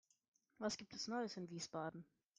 Was gibt es Neues in Wiesbaden?